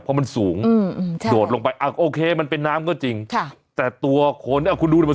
เพราะมันสูงโดดลงไปโอเคมันเป็นน้ำก็จริงแต่ตัวคนคุณดูมันสูงอย่างเนี้ย